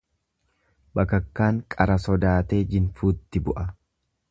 Bakakkaan qara sodaatee jinfuutti bu'a.